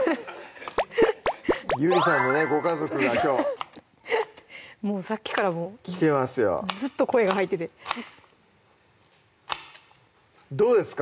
ゆりさんのねご家族がきょうもうさっきからもう来てますよずっと声が入っててどうですか？